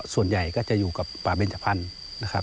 ส่วนใหญ่ก็จะอยู่กับป่าเบญจพันธุ์